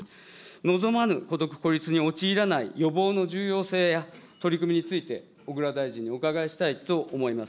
望まぬ孤独・孤立に陥らない予防の重要性や、取り組みについて小倉大臣にお伺いしたいと思います。